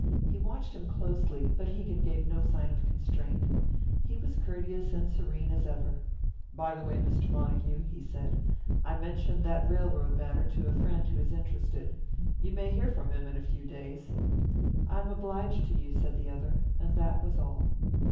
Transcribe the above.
He watched him closely, but Hegan gave no sign of constraint. He was courteous and serene as ever. "By the way, Mr. Montague," he said, "I mentioned that railroad matter to a friend who is interested. You may hear from him in a few days." "I am obliged to you," said the other, and that was all.